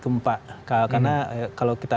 gempa karena kalau kita